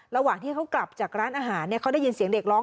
ระหว่างที่เขากลับจากร้านอาหารเขาได้ยินเสียงเด็กร้อง